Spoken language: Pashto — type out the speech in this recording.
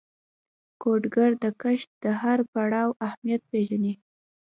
کروندګر د کښت د هر پړاو اهمیت پېژني